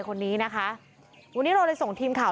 คนนี้นะคะวันนี้เราเลยส่งทีมข่าว